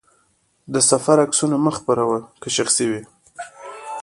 د سفر عکسونه مه خپره وه، که شخصي وي.